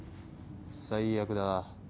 最悪だ。